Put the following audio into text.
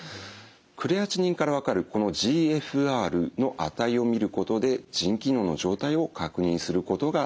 クレアチニンから分かるこのＧＦＲの値を見ることで腎機能の状態を確認することができます。